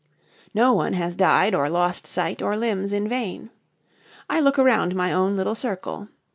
No one has died or lost sight or limbs in vain. I look around my own little circle.